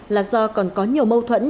là do còn có nhiều mâu thuẫn